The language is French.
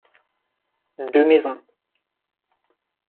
Deux maisons.